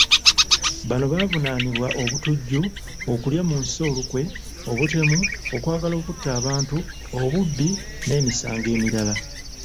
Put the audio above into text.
Bano baavunaanibwa; obutujju, okulya mu nsi olukwe, obutemu, okwagala okutta abantu, obubbi n'emisango emirala.